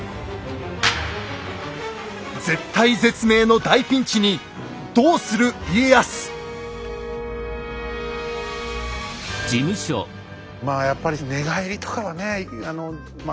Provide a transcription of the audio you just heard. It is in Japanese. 絶体絶命の大ピンチにまあやっぱり寝返りとかはねあのまあ